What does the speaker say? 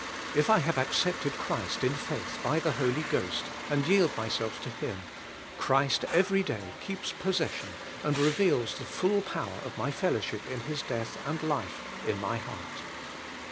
If I have accepted Christ in faith by the Holy Ghost, and 3neld my self to Him, Christ every day keeps possession, and reveals the full power of my fellowship in His death and life in my heart.